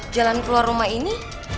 jalan keluar rumah ini